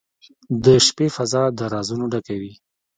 • د شپې فضاء د رازونو ډکه وي.